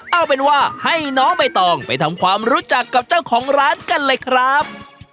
เอาเป็นว่าให้น้องใบตองไปทำความรู้จักกับเจ้าของร้านกันเลยครับ